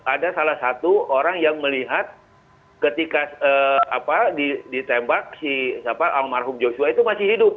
ada salah satu orang yang melihat ketika ditembak si almarhum joshua itu masih hidup